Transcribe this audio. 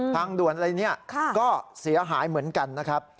ทางด่วนอะไรเนี่ยก็เสียหายเหมือนกันนะครับ